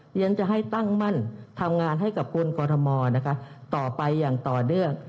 เรียนจะให้ตั้งมั่นทำงานให้กับคนกรทมนะคะต่อไปอย่างต่อเนื่อง